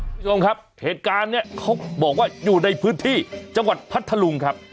ร่างทรงครับเหตุการณ์เนี่ยเขาบอกว่าอยู่ในพืชที่จังหวัดพัทธรุงครับ